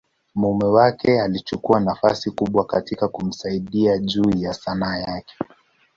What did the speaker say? mume wake alichukua nafasi kubwa katika kumsaidia juu ya Sanaa yake.